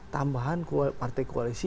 tambahan partai koalisi